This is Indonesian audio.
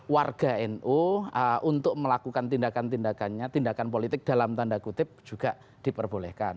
warga nu untuk melakukan tindakan tindakannya tindakan politik dalam tanda kutip juga diperbolehkan